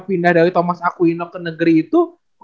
pindah dari thomas akuino ke negeri itu